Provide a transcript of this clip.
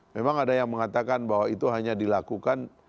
memang ada yang mengatakan bahwa itu hanya dilakukan